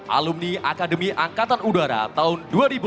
alumni akademi angkatan udara tahun dua ribu lima